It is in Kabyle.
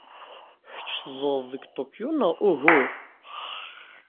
Kecc tzedɣed deg Tokyo, neɣ uhu?